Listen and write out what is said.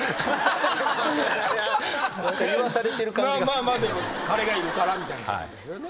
まあまあでも彼がいるからみたいなことですよね。